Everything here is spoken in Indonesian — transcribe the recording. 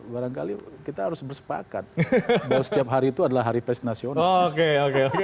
barangkali kita harus bersepakat bahwa setiap hari itu adalah hari pres nasional